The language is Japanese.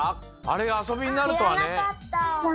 あれがあそびになるとはね。